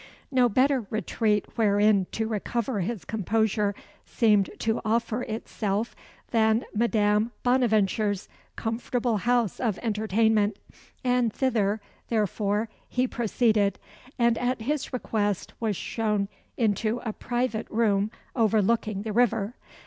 No better retreat wherein to recover his composure seemed to offer itself than Madame Bonaventure's comfortable house of entertainment; and thither, therefore, he proceeded, and at his request was shown into a private room overlooking the river.